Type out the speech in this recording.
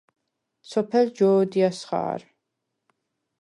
სოფელ ჯო̄დიას ხა̄რ.